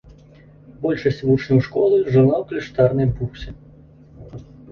Большасць вучняў школы жыла ў кляштарнай бурсе.